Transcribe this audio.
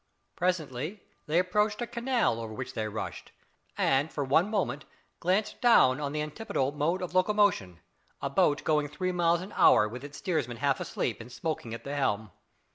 Presently they approached a canal over which they rushed, and, for one moment, glanced down on the antipodal mode of locomotion a boat going three miles an hour with its steersman half asleep and smoking at the helm!